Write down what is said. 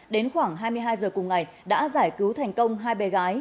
đến khoảng hai mươi hai giờ cùng ngày đã giải cứu thành công hai bé gái